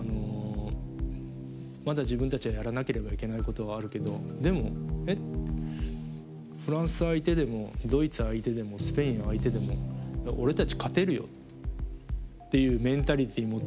まだ自分たちがやらなければいけないことはあるけどでも「えっフランス相手でもドイツ相手でもスペイン相手でも俺たち勝てるよ」っていうメンタリティー持ってます。